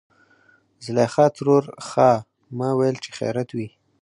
زليخا ترور :ښا ما ويل چې خېرت وي.